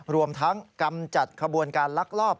รวมทั้งกำจัดขบวนการลักลอบ